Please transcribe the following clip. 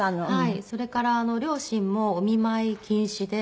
それから両親もお見舞い禁止で。